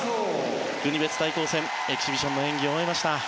国別対抗戦、エキシビションの演技を終えました。